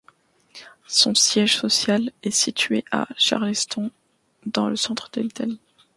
Son siège social est situé à Charleston dans le centre de l'Italie.